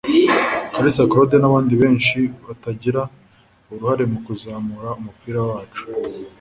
Kalisa Claude n’abandi benshi batagira uruhare mu kuzamura umupira wacu